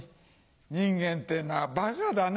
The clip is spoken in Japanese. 人間ってのはバカだな。